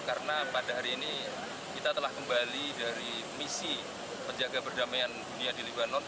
karena pada hari ini kita telah kembali dari misi penjaga berdamai dunia di lebanon